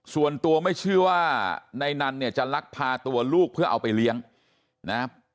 ส่วนตัวไม่เชื่อว่านายนันเนี่ยจะลักพาตัวลูกเพื่อเอาไปเลี้ยงนะ